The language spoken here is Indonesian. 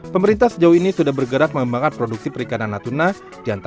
pemerintah sejauh ini sudah bergerak mengembangkan produksi perikanan natuna